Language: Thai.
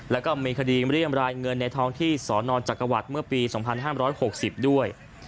แล้วก็มีคดีเรียมรายเงินในท้องที่สนจักรวรรดิเมื่อปี๒๕๖๐ด้วย